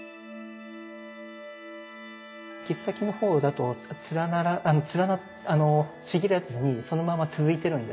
切先のほうだとちぎれずにそのまま続いてるんですよ。